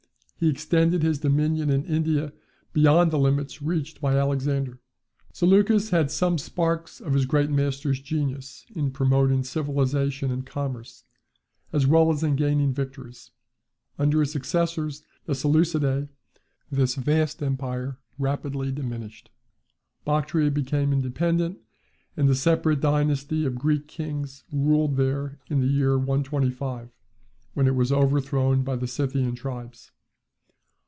He extended his dominion in India beyond the limits reached by Alexander. Seleucus had some sparks of his great master's genius in promoting civilization and commerce, as well as in gaining victories. Under his successors, the Seleucidae, this vast empire rapidly diminished; Bactria became independent, and a separate dynasty of Greek kings ruled there in the year 125, when it was overthrown by the Scythian tribes.